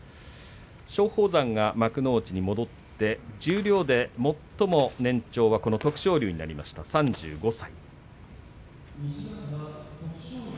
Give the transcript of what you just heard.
松鳳山が幕内に戻って十両で最も年長なのは徳勝龍になりました、３５歳。